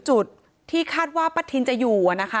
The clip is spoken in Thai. ใช้เวลานานอยู่ครับ